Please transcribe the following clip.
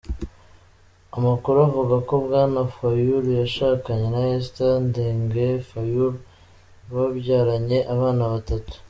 Amakuru avuga ko Bwana Fayulu yashakanye na Esther Ndengue Fayulu, babyaranye abana batatu.